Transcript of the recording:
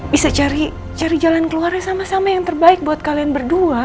bisa cari jalan keluarnya sama sama yang terbaik buat kalian berdua